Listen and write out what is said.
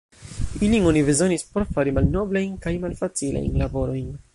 Ilin oni bezonis por fari malnoblajn kaj malfacilajn laborojn.